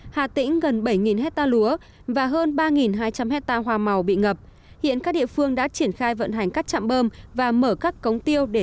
hà tĩnh gần bảy hecta lúa và hơn ba hai trăm linh hecta